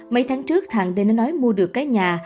mấy tháng trước thằng đê nói mua được cái nhà